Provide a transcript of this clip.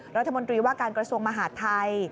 รัฐมนตรีว่าการกระทรวงมหาดไทย